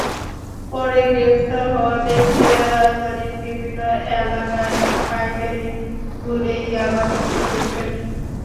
পরে গ্রেপ্তার হওয়া ব্যক্তিরা রাজধানীর বিভিন্ন এলাকায় পাইকারি মূল্যে ইয়াবা বিক্রি করতেন।